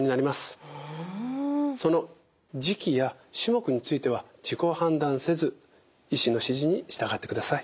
その時期や種目については自己判断せず医師の指示に従ってください。